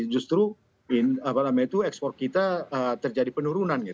justru ekspor kita terjadi penurunan